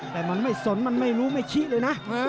แต่มันไม่สนมันไม่รู้ไม่ชิเลยนะ